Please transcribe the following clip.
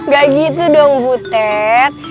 gak gitu dong butet